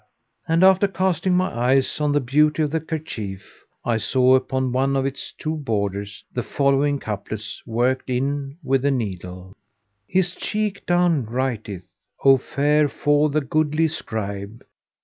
And after casting my eyes on the beauty of the kerchief,[FN#485] I saw upon one of its two borders the following couplets worked in with the needle, "His cheek down writeth (O fair fall the goodly scribe!)